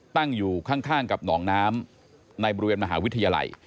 ตั้งอยู่ข้างกับหนองน้ำในบริเวณมหาวิทยาลัย